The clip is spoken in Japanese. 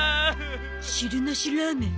汁なしラーメン？